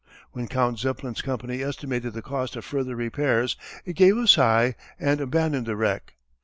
When Count Zeppelin's company estimated the cost of further repairs it gave a sigh and abandoned the wreck.